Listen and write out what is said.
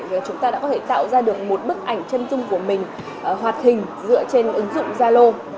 vì chúng ta đã có thể tạo ra được một bức ảnh chân dung của mình hoạt hình dựa trên ứng dụng zalo